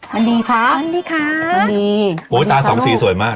วันนี้คะวันนี้ค่ะมั่นดีตาสองสี่สวยมาก